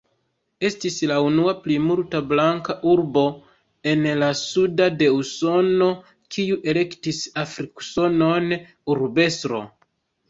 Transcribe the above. Estis la unua plimulta-blanka urbo en la Sudo de Usono kiu elektis afrik-usonan urbestron.